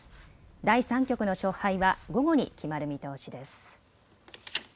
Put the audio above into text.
第３局の勝敗は午後に決まる見通しです。